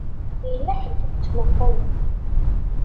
Yella ḥedd i yettmuqqulen.